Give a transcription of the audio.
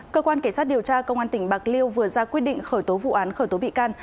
cơ quan cảnh sát điều tra công an tỉnh bạc liêu vừa ra quyết định khởi tố vụ án khởi tố bị can